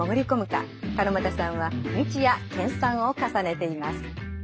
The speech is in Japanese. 鹿股さんは日夜研さんを重ねています」。